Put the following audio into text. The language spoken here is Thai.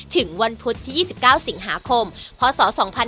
ถึงวันพุธที่๒๙สิงหาคมพศ๒๕๕๙